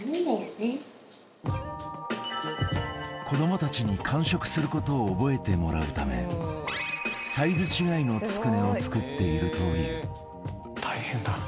子どもたちに完食する事を覚えてもらうためサイズ違いのつくねを作っているという中丸：大変だ。